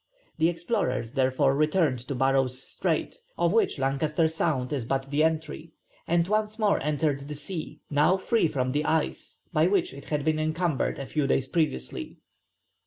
The explorers therefore returned to Barrow's Strait, of which Lancaster Sound is but the entry, and once more entered the sea, now free from the ice, by which it had been encumbered a few days previously.